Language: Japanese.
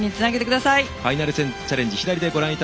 ファイナルチャレンジ